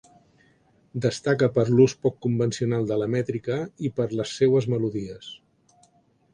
Destaca per l'ús poc convencional de la mètrica i per les seues melodies.